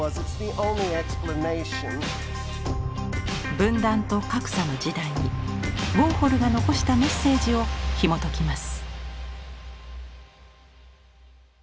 分断と格差の時代にウォーホルが遺したメッセージをひもときます。